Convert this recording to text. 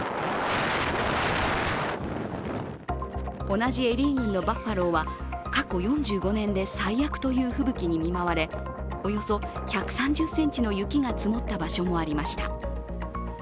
同じエリー郡のバッファローは過去４５年で最悪という吹雪に見舞われおよそ１３０ｃｍの雪が積もった場所もありました。